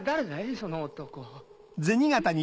その男。